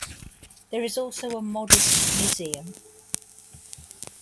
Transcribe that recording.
There is also a modest museum.